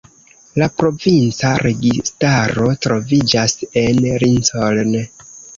La provinca registaro troviĝas en Lincoln.